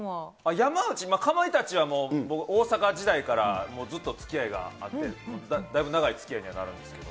山内、かまいたちは僕、大阪時代からずっとつきあいがあって、だいぶ長いつきあいになるんですけど。